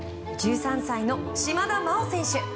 １３歳の島田麻央選手。